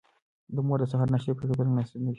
د مور د سهار ناشتې پرېښودل مناسب نه دي.